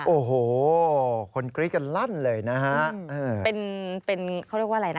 โอ้โหคนกรีกันลั่นเลยนะฮะ